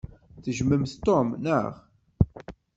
Tejjmemt Tom, naɣ?